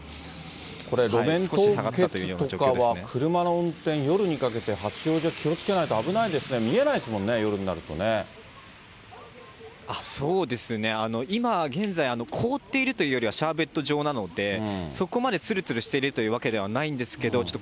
これ、路面凍結とかは車の運転、夜にかけて八王子は気をつけないと危ないですね、見えないですもんね、そうですね、今現在、凍っているというよりはシャーベット状なので、そこまでつるつるしてるというわけではないんですけれども、ちょっと